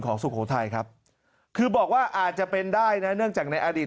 สุโขทัยครับคือบอกว่าอาจจะเป็นได้นะเนื่องจากในอดีต